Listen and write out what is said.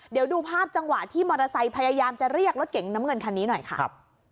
เดี๋ยวดูภาพจังหวะที่มอเตอร์ไซค์พยายามจะเรียกรถเก๋งน้ำเงินคันนี้หน่อยค่ะ